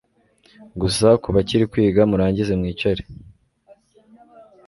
Gusa ku bakiri kwiga, murangize mwicare